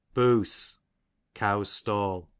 Boose, a cow's stall.